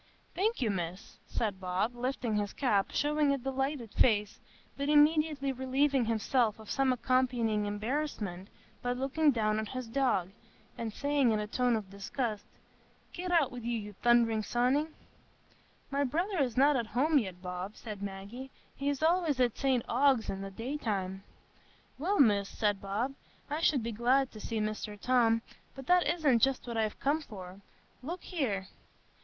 "Thank you, Miss," said Bob, lifting his cap and showing a delighted face, but immediately relieving himself of some accompanying embarrassment by looking down at his dog, and saying in a tone of disgust, "Get out wi' you, you thunderin' sawney!" "My brother is not at home yet, Bob," said Maggie; "he is always at St Ogg's in the daytime." "Well, Miss," said Bob, "I should be glad to see Mr Tom, but that isn't just what I'm come for,—look here!"